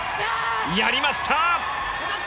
やりました！